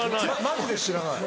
マジで知らない。